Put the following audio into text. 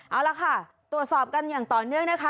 เอาละค่ะตรวจสอบกันอย่างต่อเนื่องนะคะ